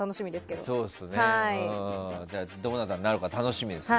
どなたになるか楽しみですね。